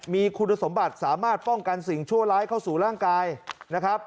มีคุณสมบัติสามารถป้องกันสิ่งชั่วร้ายเข้าสู่ร่างกายนะครับ